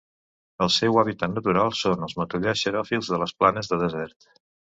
El seu hàbitat natural són els matollars xeròfils de les planes de desert.